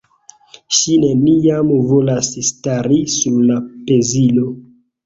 Ŝi neniam volas stari sur la pezilo.